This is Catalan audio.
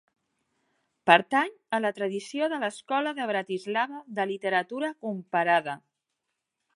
Pertany a la tradició de l'Escola de Bratislava de Literatura Comparada.